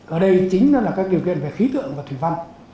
ở đây chính là các điều kiện về khí tượng và thủy văn